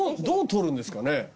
どう撮るんですかね？